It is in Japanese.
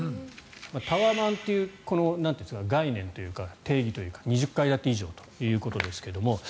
タワマンという概念というか定義というか２０階建て以上ということですが